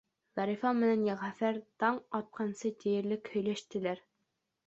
Зарифа менән Йәғәфәр таң атҡансы тиерлек һөйләштеләр.